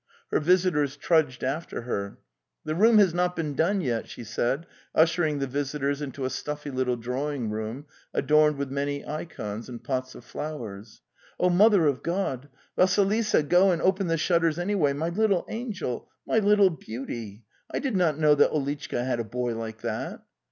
Her visitors trudged after her. "The room has not been done yet," she said, ushering the visitors into a stuffy little drawing room adorned with many ikons and pots of flowers. , Oh, Mother of God! ; Vassilisa,. 01 and 'open the shutters anyway! My little angel! My little beauty! I did not know that Olitchka had a boy like that!"